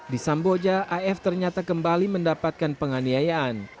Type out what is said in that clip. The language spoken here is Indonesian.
di samboja af ternyata kembali mendapatkan penganiayaan